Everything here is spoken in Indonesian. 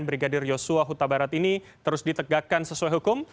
brigadir yosua huta barat ini terus ditegakkan sesuai hukum